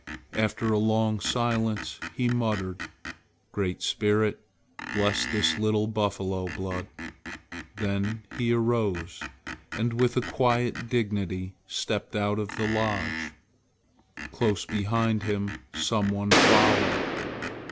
After a long silence, he muttered: "Great Spirit, bless this little buffalo blood." Then he arose, and with a quiet dignity stepped out of the lodge. Close behind him some one followed.